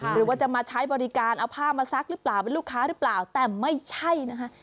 หรือว่าจะมาใช้บริการเอาผ้ามาซักหรือเปล่าเป็นลูกค้าหรือเปล่าแต่ไม่ใช่นะคะ